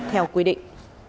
theo quy định